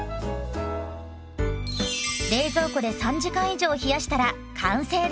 冷蔵庫で３時間以上冷やしたら完成です。